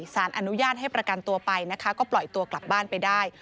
สารอนุญาตให้ประกันตัวไปนะคะก็ปล่อยตัวกลับบ้านไปได้